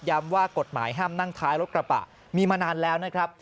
ว่ากฎหมายห้ามนั่งท้ายรถกระบะมีมานานแล้วนะครับ